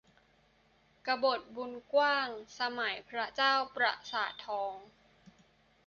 กบฏบุญกว้าง สมัยพระเจ้าประสาททอง